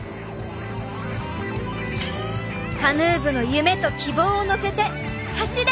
カヌー部の夢と希望を乗せて走れ！